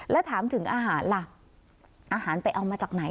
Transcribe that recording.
แล้วถามถึงอาหารล่ะอาหารไปเอามาจากไหน